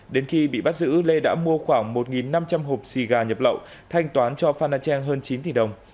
đến khi bị bắt giữ lê đã mua khoảng một năm trăm linh hộp xì gà nhập lậu thanh toán cho phanacheng hơn chín tỷ đồng